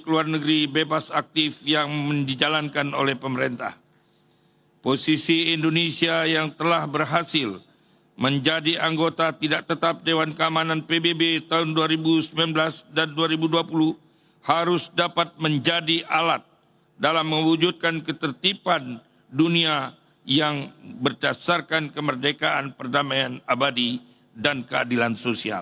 kedudukan yang diperlukan adalah kelembagaan dan kelembagaan